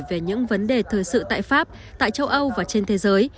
về những vấn đề thời sự tại pháp tại châu âu và trên thế giới